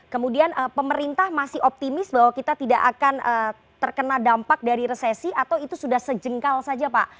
kemudian pemerintah masih optimis bahwa kita tidak akan terkena dampak dari resesi atau itu sudah sejengkal saja pak